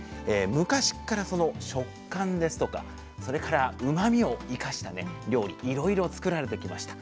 昔からその食感ですとかそれからうまみを生かした料理いろいろ作られてきました。